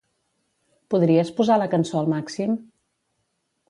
Podries posar la cançó al màxim?